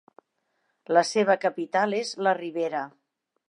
La seva capital és La Rivera.